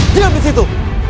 diam di situ